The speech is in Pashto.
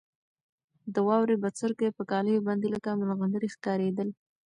د واورې بڅرکي په کالیو باندې لکه ملغلرې ښکارېدل.